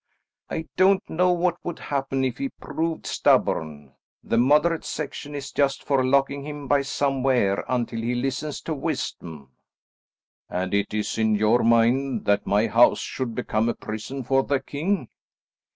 "I don't know what would happen if he proved stubborn. The moderate section is just for locking him by somewhere until he listens to wisdom." "And it is in your mind that my house should become a prison for the king?"